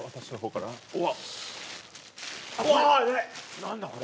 何だこれ？